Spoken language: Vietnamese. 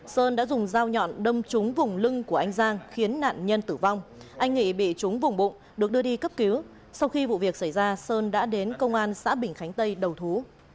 sơn đã dùng dao nhọn đâm trúng vùng lưng của anh giang khiến nạn nhân tử vong anh nghị bị trúng vùng bụng được đưa đi cấp cứu sau khi vụ việc xảy ra sơn đã đến công an xã bình khánh tây đầu thú